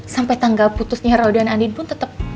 sampai tanggal putusnya rodan andin pun tetep